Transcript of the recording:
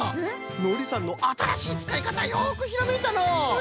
のりさんのあたらしいつかいかたよくひらめいたのう！